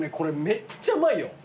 めっちゃうまいよ。